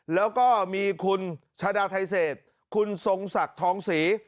แล้วก็มีคุณชาดาไทเศษคุณทรงศักดิ์ทองศรี